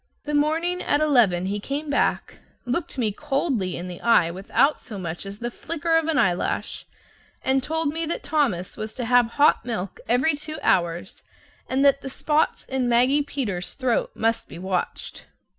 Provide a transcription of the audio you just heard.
This morning at eleven he came back, looked me coldly in the eye without so much as the flicker of an eyelash, and told me that Thomas was to have hot milk every two hours and that the spots in Maggie Peters's throat must be watched.